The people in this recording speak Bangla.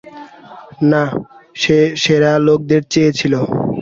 না, সে সেরা লোকদের চেয়েছিল।